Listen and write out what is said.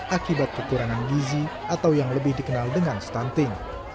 akibat kekurangan gizi atau yang lebih dikenal dengan stunting